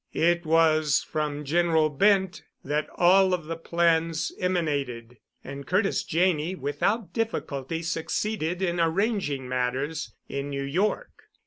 It was from General Bent that all of the plans emanated, and Curtis Janney without difficulty succeeded in arranging matters in New York.